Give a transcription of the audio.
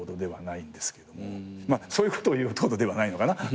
そういうことを言うことではないのかな？